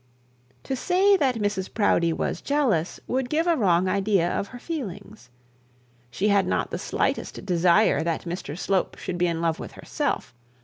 To say that Mrs Proudie was jealous would give a wrong idea of her feelings. She had not the slightest desire that Mr Slope should be in love with herself.